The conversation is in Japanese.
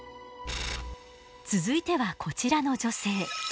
続いてはこちらの女性。